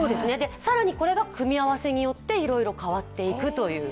更にこれが組み合わせによっていろいろ変わっていくという。